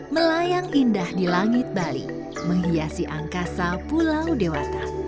melayang indah di langit bali menghiasi angkasa pulau dewata